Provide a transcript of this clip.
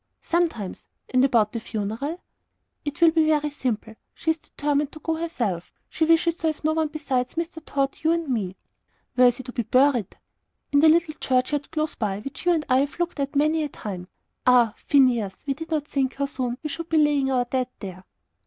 "Sometimes. And about the funeral?" "It will be very simple. She is determined to go herself. She wishes to have no one besides Mrs. Tod, you, and me." "Where is he to be buried?" "In the little churchyard close by, which you and I have looked at many a time. Ah, Phineas, we did not think how soon we should be laying our dead there."